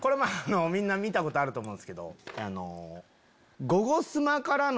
みんな見たことあると思うけど。